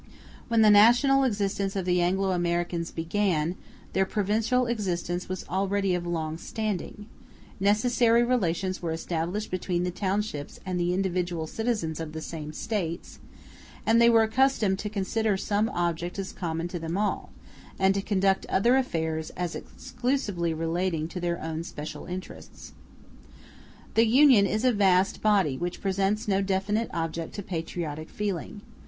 When the national existence of the Anglo Americans began, their provincial existence was already of long standing; necessary relations were established between the townships and the individual citizens of the same States; and they were accustomed to consider some objects as common to them all, and to conduct other affairs as exclusively relating to their own special interests. The Union is a vast body which presents no definite object to patriotic feeling.